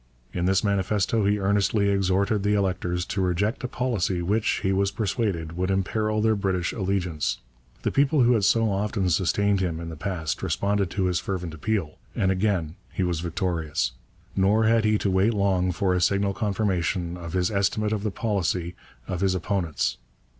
In this manifesto he earnestly exhorted the electors to reject a policy which, he was persuaded, would imperil their British allegiance. The people who had so often sustained him in the past responded to his fervent appeal, and again he was victorious. Nor had he to wait long for a signal confirmation of his estimate of the policy of his opponents.